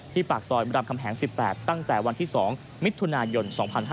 ปากซอยรามคำแหง๑๘ตั้งแต่วันที่๒มิถุนายน๒๕๕๙